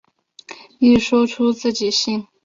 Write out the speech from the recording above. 一说出自己姓。